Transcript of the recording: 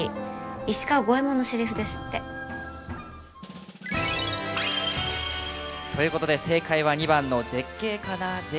石川五右衛門のセリフですって。ということで正解は２番の「絶景かな絶景かな」でした。